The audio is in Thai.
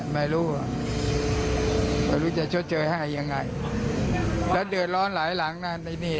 ไม่รู้อะก็รู้จะชดเชยให้ยังไงก็เดินร้อนหลายหลังมานี้